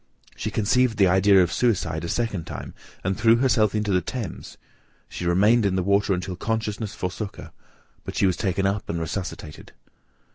She conceived the idea of suicide a second time, and threw herself into the Thames; she remained in the water, until consciousness forsook her, but she was taken up and resuscitated.